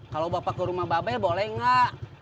kalau bapak ke rumah babel boleh nggak